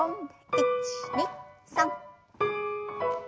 １２３。